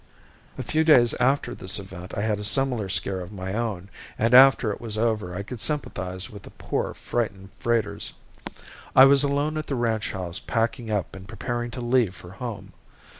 A few days after this event I had a similar scare of my own and after it was over I could sympathize with the poor, frightened freighters. I was alone at the ranch house packing up and preparing to leave for home.